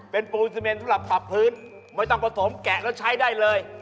เป็นปูนซีเมนสำหรับปรับพื้นไม่ต้องผสมแกะแล้วใช้ได้เลย